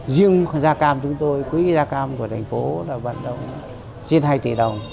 riêng gia cam chúng tôi quý gia cam của thành phố là hoạt động riêng hai tỷ đồng